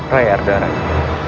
rai arda raja